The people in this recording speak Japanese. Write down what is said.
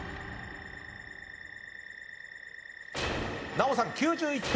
ナヲさん９１点。